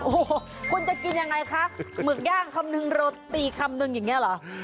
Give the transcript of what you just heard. โอ้โหคุณจะกินยังไงคะหมึกย่างคำนึงโรตีคำนึงอย่างนี้เหรอ